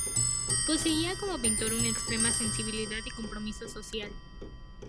Poseía como pintor una extrema sensibilidad y compromiso social.